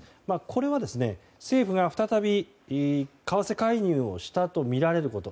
これは、政府が再び為替介入をしたとみられること。